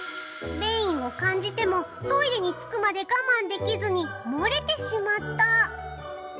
便意を感じてもトイレに着くまで我慢できずにもれてしまった。